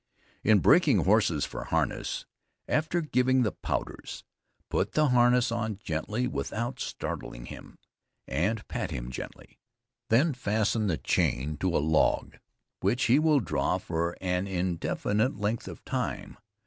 In breaking horses for harness, after giving the powders, put the harness on gently, without startling him, and pat him gently, then fasten the chain to a log, which he will draw for an indefinite length of time.